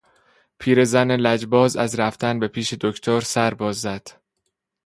پیر زن لجباز از رفتن به پیش دکتر سر باز زد.